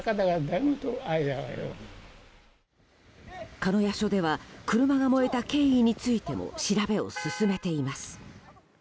鹿屋署では車が燃えた経緯についても調べを進めています。